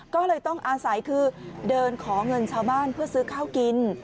ก็เลยต้องอาศัยคือเดินขอเงินชาวบ้านเพื่อซื้อข้าวกิน